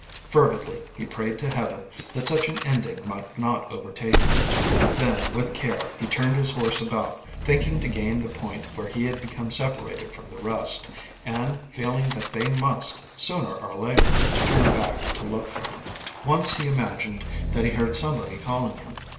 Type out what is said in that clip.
Fervidly he prayed to Heaven that such an ending might not overtake him. Then with care he turned his horse about, thinking to gain the point where he had become separated from the rest, and feeling that they must, sooner or later, turn back to look for him. Once he imagined that he heard somebody calling him.